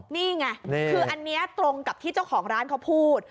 นี่ไงคืออันนี้ตรงกับที่เจ้าของร้านเขาพูด